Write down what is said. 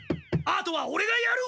あとはオレがやる！